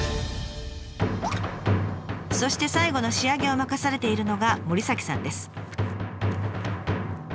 そして最後の仕上げを任されているのが森さんです。